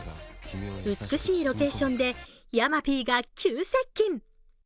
美しいロケーションで山Ｐが急接近。